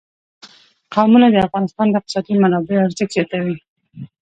قومونه د افغانستان د اقتصادي منابعو ارزښت زیاتوي.